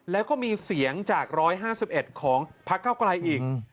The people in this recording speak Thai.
แล้วก็มีเสียงจาก๑๕๑ของพักเก้าไกลอีก